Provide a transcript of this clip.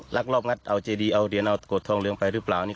รักรอบงัดเอาเจรียร์ดินท์เอาโกรธทองเรืองไปหรือเปล่า